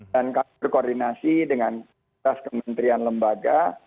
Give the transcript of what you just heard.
dan kami berkoordinasi dengan kementerian lembaga